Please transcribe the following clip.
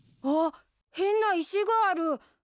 あっ変な石がある。